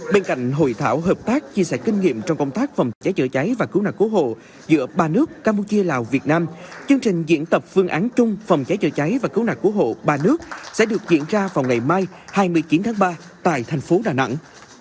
bên cạnh hội thảo hợp tác chia sẻ kinh nghiệm trong công tác phòng cháy chữa cháy và cứu nạn cứu hộ giữa ba nước campuchia lào việt nam chương trình diễn tập phương án chung phòng cháy chữa cháy và cứu nạn cứu hộ ba nước sẽ được diễn ra vào ngày mai hai mươi chín tháng ba tại thành phố đà nẵng